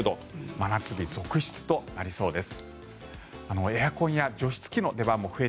真夏日続出となりそうです。